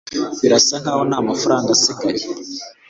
birasa nkaho ntamafaranga asigaye